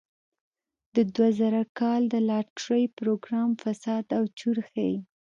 د دوه زره کال د لاټرۍ پروګرام فساد او چور ښيي.